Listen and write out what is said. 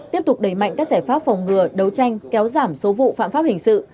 tiếp tục đẩy mạnh các giải pháp phòng ngừa đấu tranh kéo giảm số vụ phạm pháp hình sự